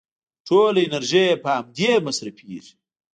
ټوله انرژي يې په امدې مصرفېږي.